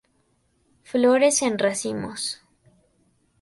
Flores en racimos.